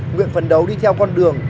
nguyện phấn đấu đi theo con đường